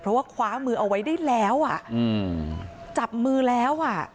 เพราะว่าคว้ามือเอาไว้ได้แล้วอ่ะอืมจับมือแล้วอ่ะ